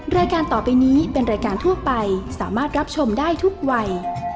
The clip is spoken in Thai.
รายการต่อไปนี้เป็นรายการทั่วไปสามารถรับชมได้ทุกวัย